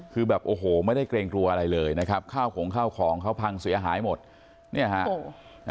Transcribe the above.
คือแบบโอ้โหไม่ได้เกรงกลัวอะไรเลยนะครับข้าวของข้าวของเขาพังเสียหายหมดเนี่ยฮะ